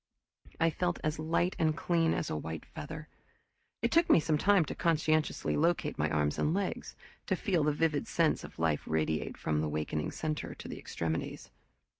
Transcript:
I felt as light and clean as a white feather. It took me some time to conscientiously locate my arms and legs, to feel the vivid sense of life radiate from the wakening center to the extremities.